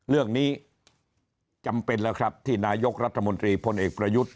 เรื่องนี้จำเป็นแล้วครับที่นายกรัฐมนตรีพลเอกประยุทธ์